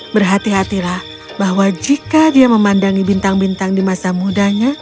berhati hatilah bahwa jika dia memandangi bintang bintang di masa mudanya